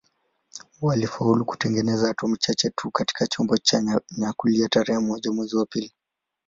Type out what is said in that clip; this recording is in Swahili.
Walifaulu kutengeneza atomi chache tu katika chombo cha nyuklia tarehe moja mwezi wa pili